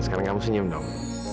sekarang kamu senyum dong